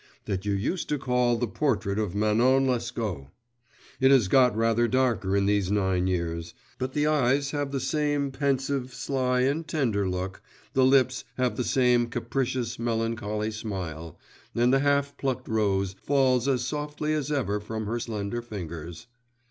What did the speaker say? that you used to call the portrait of Manon Lescaut. It has got rather darker in these nine years; but the eyes have the same pensive, sly, and tender look, the lips have the same capricious, melancholy smile, and the half plucked rose falls as softly as ever from her slender fingers.